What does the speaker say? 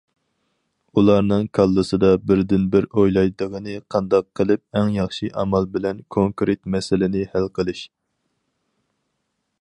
ئۇلارنىڭ كاللىسىدا بىردىنبىر ئويلايدىغىنى قانداق قىلىپ ئەڭ ياخشى ئامال بىلەن كونكرېت مەسىلىنى ھەل قىلىش.